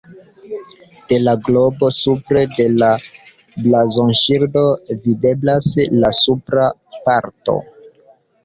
De la globo supre de la blazonŝildo videblas la supra parto.